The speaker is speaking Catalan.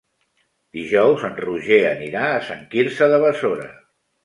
Dijous en Roger anirà a Sant Quirze de Besora.